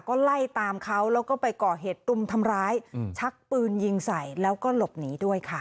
ก็ไล่ตามเขาแล้วก็ไปก่อเหตุรุมทำร้ายชักปืนยิงใส่แล้วก็หลบหนีด้วยค่ะ